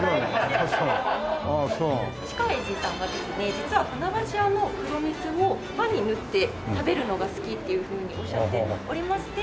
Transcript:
実は船橋屋の黒蜜をパンに塗って食べるのが好きっていうふうにおっしゃっておりまして。